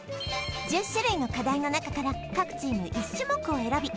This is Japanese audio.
１０種類の課題の中から各チーム１種目を選び